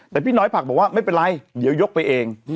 แต่พี่น้อยผักบอกว่าไม่เป็นไรเดี๋ยวยกไปเอง